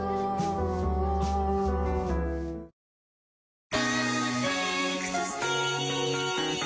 「パーフェクトスティック」